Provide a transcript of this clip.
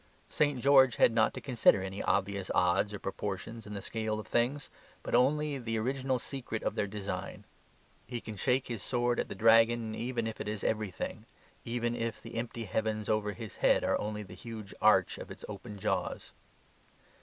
St. George had not to consider any obvious odds or proportions in the scale of things, but only the original secret of their design. He can shake his sword at the dragon, even if it is everything; even if the empty heavens over his head are only the huge arch of its open jaws.